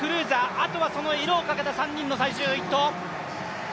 あとはその色をかけた３人の最終１投。